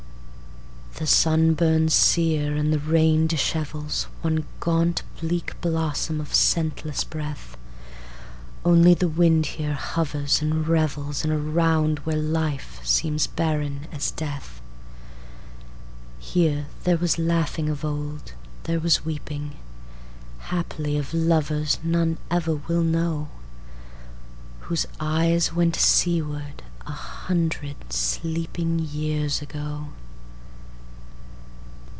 The sun burns sere and the rain dishevelsOne gaunt bleak blossom of scentless breath. Only the wind here hovers and revelsIn a round where life seems barren as death. Here there was laughing of old, there was weeping, Haply, of lovers none ever will know, Whose eyes went seaward a hundred sleepingYears ago.